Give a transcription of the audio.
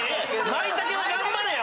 マイタケは頑張れや！